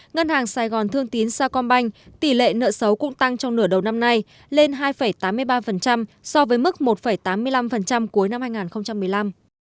ngân hàng sài gòn thương tín sacombank tỷ lệ nợ xấu cũng tăng trong nửa đầu năm nay lên hai tám mươi ba so với mức một tám mươi năm cuối năm hai nghìn một mươi năm